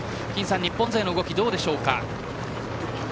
日本勢の動きはどうでしょうか。